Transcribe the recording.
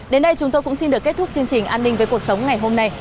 đến đây chúng tôi cũng xin được kết thúc chương trình an ninh với cuộc sống ngày hôm nay